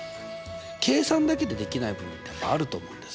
計算だけでできない部分ってやっぱあると思うんです。